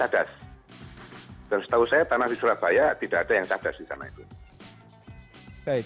dan setahu saya tanah di surabaya tidak ada yang cadas di sana itu